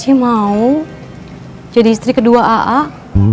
cici mau jadi istri kedua ak ak